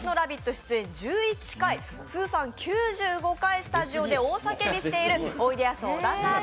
出演１１回通算９５回スタジオで大叫びしているおいでやす小田さん